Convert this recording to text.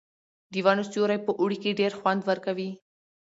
د ونو سیوری په اوړي کې ډېر خوند ورکوي.